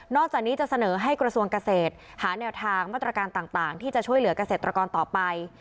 จากนี้จะเสนอให้กระทรวงเกษตรหาแนวทางมาตรการต่างที่จะช่วยเหลือกเกษตรกรต่อไป